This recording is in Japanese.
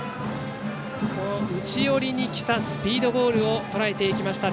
内寄りに来たスピードボールをとらえていきました。